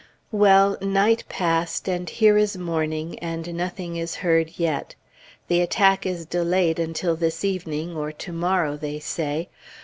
Well! night passed, and here is morning, and nothing is heard yet. The attack is delayed until this evening, or to morrow, they say.